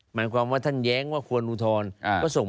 หมายความว่าท่านแย้งว่าควรอุทธรณ์ก็ส่ง